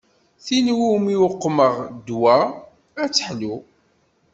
Tin umi uqmeɣ ddwa ad teḥlu.